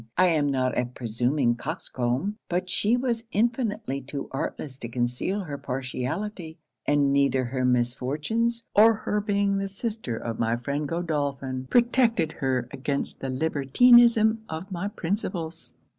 I am not a presuming coxcomb; but she was infinitely too artless to conceal her partiality; and neither her misfortunes, or her being the sister of my friend Godolphin, protected her against the libertinism of my principles.'